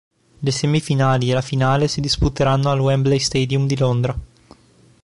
Le semifinali e la finale si disputeranno al Wembley Stadium di Londra.